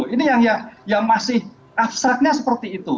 ini yang masih abstraknya seperti itu